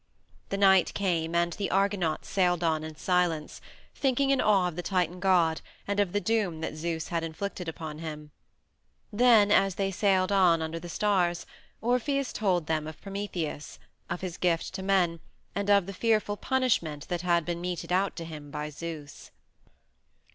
The night came and the Argonauts sailed on in silence, thinking in awe of the Titan god and of the doom that Zeus had inflicted upon him. Then, as they sailed on under the stars, Orpheus told them of Prometheus, of his gift to men, and of the fearful punishment that had been meted out to him by Zeus.